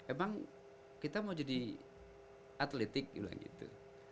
emang kita mau jadi atletik gitu kan gitu